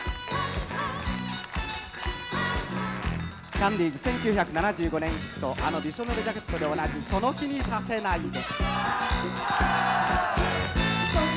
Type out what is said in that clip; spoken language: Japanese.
キャンディーズ１９７５年あのびしょぬれジャケットでおなじみ「その気にさせないで」。